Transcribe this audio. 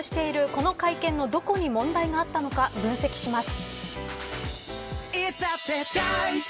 この会見、どこに問題があったのか分析します。